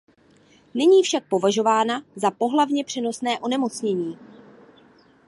Není však považována za pohlavně přenosné onemocnění.